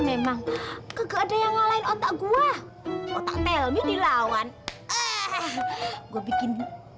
memang ke ada yang ngalahin otak gua otak telme dilawan eh gua bikin